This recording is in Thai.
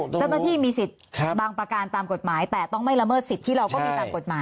เจ้าหน้าที่มีสิทธิ์บางประการตามกฎหมายแต่ต้องไม่ละเมิดสิทธิเราก็มีตามกฎหมาย